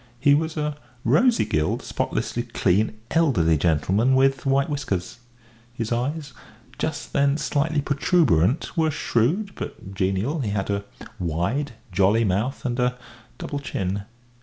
He was a rosy gilled, spotlessly clean, elderly gentleman, with white whiskers; his eyes, just then slightly protuberant, were shrewd, but genial; he had a wide, jolly mouth and a double chin.